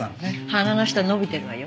鼻の下伸びてるわよ。